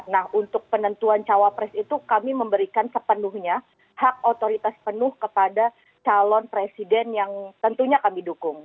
nah untuk penentuan cawapres itu kami memberikan sepenuhnya hak otoritas penuh kepada calon presiden yang tentunya kami dukung